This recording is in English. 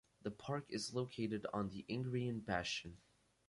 The park is located on the Ingrian Bastion.